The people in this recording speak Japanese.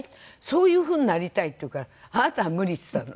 そういう風になりたいって言うから「あなたは無理」っつったの。